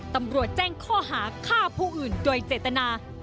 ตำรวจแจ้งข้อหาฆ่าผู้อื่นโดยเจตนา